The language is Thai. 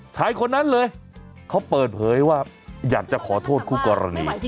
ชายคนนั้นเลยเขาเปิดเผยว่าอยากจะขอโทษคู่กรณี